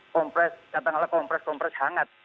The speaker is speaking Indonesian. kemudian kata ngalah kompres kompres hangat